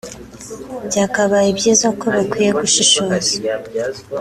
Byakabaye byiza ko bakwiye gushishoza